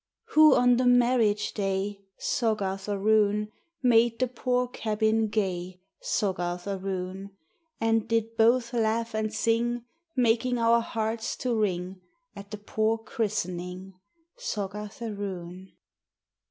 Who, on the marriage day, Soggarth aroon. Made the poor cabin gay, Soggarth aroon. And did both laugh and sing. Making our hearts to ring At the poor christening, Soggarth aroon?